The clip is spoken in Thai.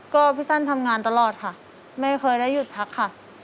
ก็พี่สั้นทำงานตลอดค่ะไม่เคยได้หยุดพักค่ะ